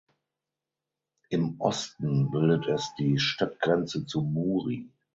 Im Osten bildet es die Stadtgrenze zu Muri.